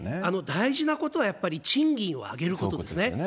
大事なことはやっぱり賃金を上げることですね。